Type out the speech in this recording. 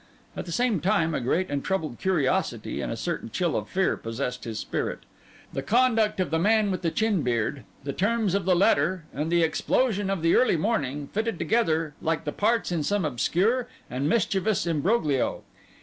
At the same time a great and troubled curiosity, and a certain chill of fear, possessed his spirit. The conduct of the man with the chin beard, the terms of the letter, and the explosion of the early morning, fitted together like parts in some obscure and mischievous imbroglio.